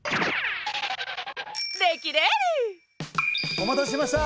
お待たせしました。